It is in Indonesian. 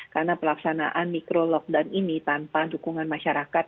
karena pelaksanaan mikro lockdown ini tanpa dukungan masyarakat